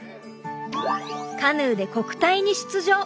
カヌーで国体に出場。